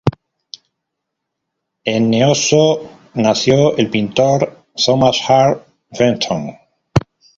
En Neosho nació el pintor Thomas Hart Benton.